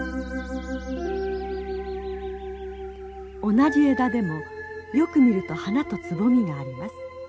同じ枝でもよく見ると花とつぼみがあります。